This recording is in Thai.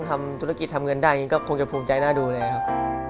ทำธุรกิจทำเงินได้ก็คงจะภูมิใจน่าดูแลครับ